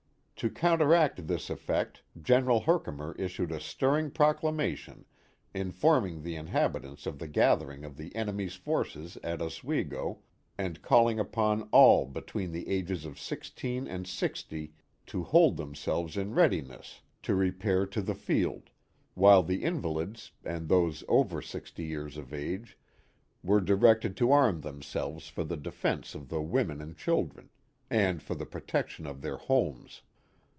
To counter act this effect General Herkimer issued a stirring proclamation informing the inhabitants of the gathering of the enemy's forces at Oswego and calling upon all between the ages of sixteen and sixty to hold themselves in readiness to repair to 4i6 The Mohawk Valley the field, while the invalids and those over sixty years of age were directed to arm themselves for the defence of the women and children, and for the protection of their homes.